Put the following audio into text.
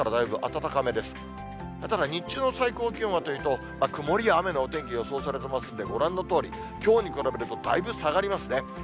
ただ、日中の最高気温はというと、曇りや雨のお天気、予想されてますんで、ご覧のとおり、きょうに比べるとだいぶ下がりますね。